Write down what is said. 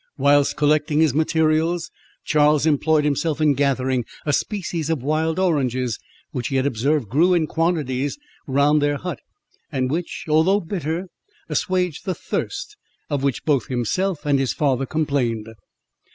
Whilst collecting his materials, Charles employed himself in gathering a species of wild oranges, which he had observed grew in quantities round their hut, and which, although bitter, assuaged the thirst of which both himself and his father complained.